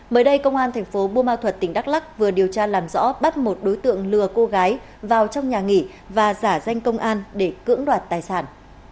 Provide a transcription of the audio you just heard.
mới đây công an tp bumal thuật tỉnh đắk lắc vừa điều tra làm rõ bắt một đối tượng lừa cô gái vào trong nhà nghỉ và giả danh công an để cưỡng đoạt tài sản